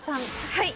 はい。